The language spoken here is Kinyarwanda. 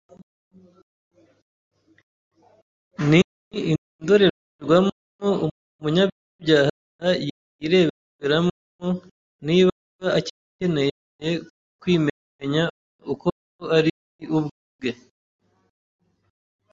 Ni indorerwamo umunyabyaha yireberamo niba akeneye kwimenya uko ari ubwe.